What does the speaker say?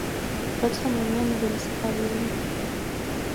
როცა ნამიან ველზე გავივლი